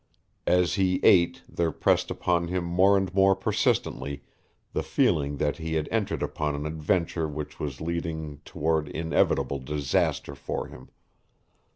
As he ate there pressed upon him more and more persistently the feeling that he had entered upon an adventure which was leading toward inevitable disaster for him.